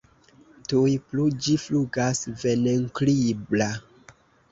Tuj plu ĝi flugas, venenkribra.